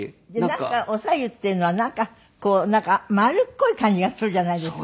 なんかお白湯っていうのは丸っこい感じがするじゃないですか。